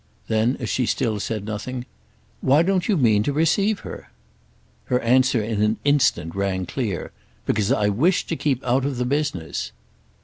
Then as she still said nothing: "Why don't you mean to receive her?" Her answer in an instant rang clear. "Because I wish to keep out of the business."